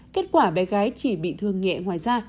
kết quả bé gái chỉ bị thương nhẹ ngoài da